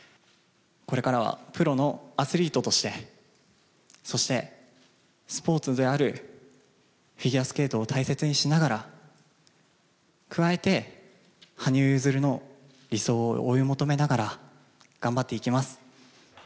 これからは、プロのアスリートとして、そしてスポーツであるフィギュアスケートを大切にしながら加えて、羽生結弦の理想を追い求めながら頑張っていきます。